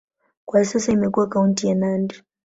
Kwa sasa imekuwa kaunti ya Nandi.